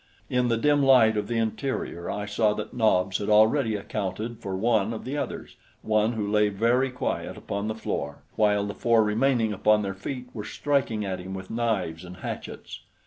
In the dim light of the interior I saw that Nobs had already accounted for one of the others one who lay very quiet upon the floor while the four remaining upon their feet were striking at him with knives and hatchets.